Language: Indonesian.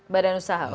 badan usaha oke